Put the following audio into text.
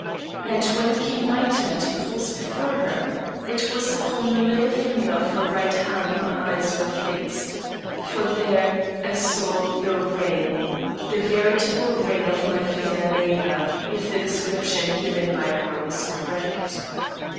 And when it came my turn to pause before her, it was upon the middle finger of her right hand my eyes were fixed. For there I saw THE RING; the veritable ring of my fair neighbor, if the description given by her was correct.